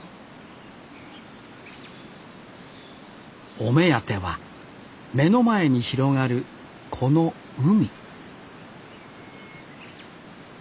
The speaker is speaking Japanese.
お目当ては目の前に広がるこの海